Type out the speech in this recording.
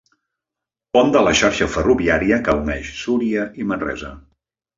Pont de la xarxa ferroviària que uneix Súria i Manresa.